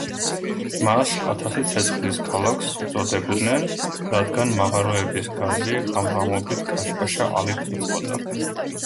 მას „ათასი ცეცხლის ქალაქს“ უწოდებდნენ, რადგან მაღაროების გაზი ღამღამობით კაშკაშა ალით იწვოდა.